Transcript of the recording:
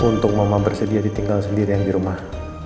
untung mamah bersedia ditinggal sendirian di rumah